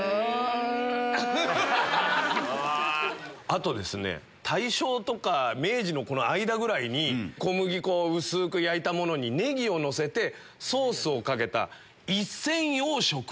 あとですね大正とか明治の間ぐらいに小麦粉を薄く焼いたものにネギをのせてソースをかけた。